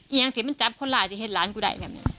ยางคิดมันจับคนหลายเห็นหลังกูใดแบบเงี้ย